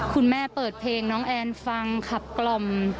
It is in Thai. คุณแม่เปิดเพลงน้องแอนฟังขับกล่อม